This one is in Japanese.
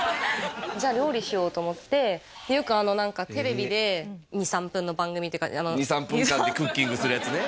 じゃあ料理しようと思ってよく何かテレビで２３分の番組っていうか２３分間でクッキングするやつね